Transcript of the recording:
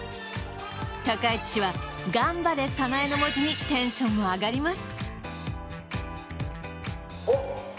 高市氏は「頑張れ早苗」の文字にテンションも上がります。